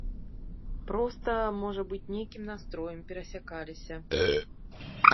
Проста, можа быць, нейкім настроем перасякаліся.